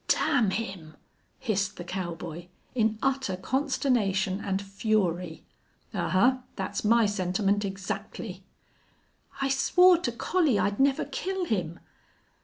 "Damn him!" hissed the cowboy, in utter consternation and fury. "Ahuh! That's my sentiment exactly." "I swore to Collie I'd never kill him!"